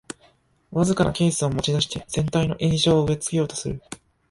わずかなケースを持ちだして全体の印象を植え付けようとする